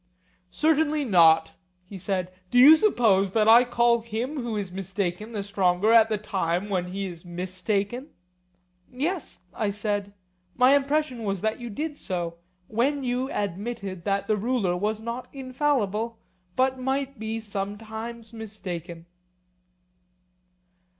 Certainly not, he said. Do you suppose that I call him who is mistaken the stronger at the time when he is mistaken? Yes, I said, my impression was that you did so, when you admitted that the ruler was not infallible but might be sometimes mistaken.